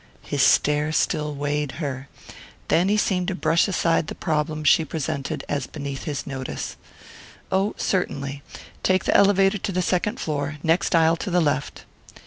His stare still weighed her then he seemed to brush aside the problem she presented as beneath his notice. "Oh, certainly. Take the elevator to the second floor. Next aisle to the left."